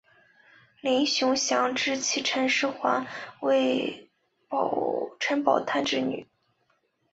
林熊祥之妻陈师桓为陈宝琛之女。